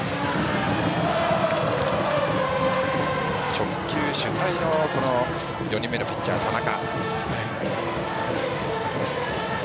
直球主体の４人目のピッチャー・田中。